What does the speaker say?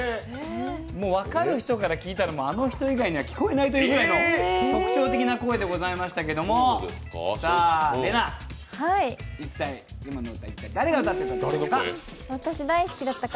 分かる人から聞いたら、あの人以外には聞こえないというぐらいの特徴的な声でございましたけど、れなぁ、一体誰が歌っていたんでしょうか。